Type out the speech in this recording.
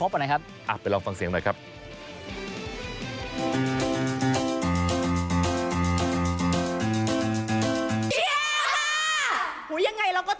ไปลองฟังเสียงหน่อยครับ